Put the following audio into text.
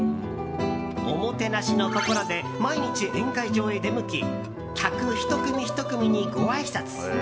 おもてなしの心で毎日、宴会場へ出向き客１組１組にごあいさつ。